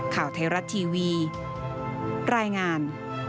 ข่าวไทยรัฐทีวีรายงาน